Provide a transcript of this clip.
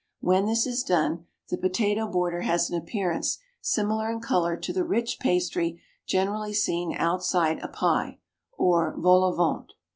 When this is done, the potato border has an appearance similar in colour to the rich pastry generally seen outside a pie, or vol au vent.